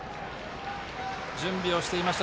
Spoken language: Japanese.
準備をしていました